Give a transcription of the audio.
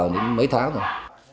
đến mấy tháng rồi